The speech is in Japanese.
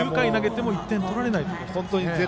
９回投げても１点取られないという。